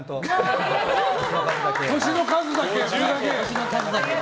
年の数だけ！